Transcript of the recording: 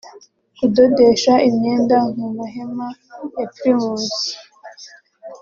kudodesha imyenda mu mahema ya Primus